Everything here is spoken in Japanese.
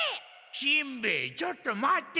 しんべヱちょっと待て！